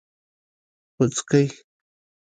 🍄🟫 پوڅکي